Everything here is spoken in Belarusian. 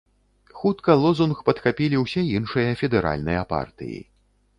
Хутка лозунг падхапілі ўсе іншыя федэральныя партыі.